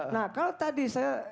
nah kalau tadi saya